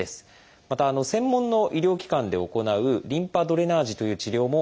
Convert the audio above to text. また専門の医療機関で行う「リンパドレナージ」という治療もあります。